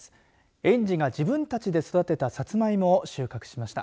園児が自分たちで育てたサツマイモを収穫しました。